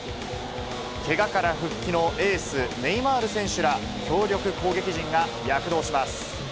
けがから復帰のエース、ネイマール選手ら強力攻撃陣が躍動します。